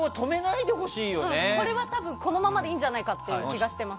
これはこのままでいいんじゃないかという気がしています。